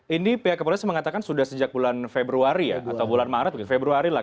ini pihak kepolisian mengatakan sudah sejak bulan februari ya atau bulan maret februari lah